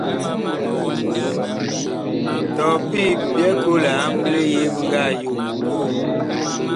Tɔɔ pii bi byɛɛ koo liamble yee bi nga yo.